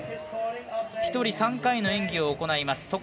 １人３回の演技を行います。